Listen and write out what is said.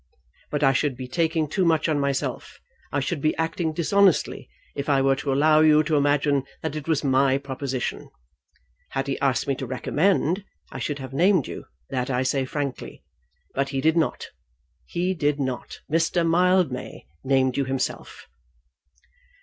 But I should be taking too much on myself, I should be acting dishonestly, if I were to allow you to imagine that it was my proposition. Had he asked me to recommend, I should have named you; that I say frankly. But he did not. He did not. Mr. Mildmay named you himself.